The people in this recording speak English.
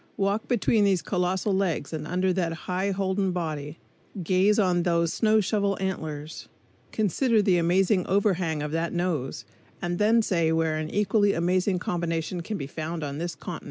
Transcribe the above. Walk between those colossal legs and under that high holden body, gaze on those snow shovel antlers, consider the amazing overhang of that nose, and then say where an equally amazing combination can be found on this continent.